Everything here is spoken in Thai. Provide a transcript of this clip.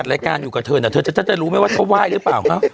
รายการอยู่กับเธอน่ะเธอจะรู้ไหมว่าเขาไหว้หรือเปล่า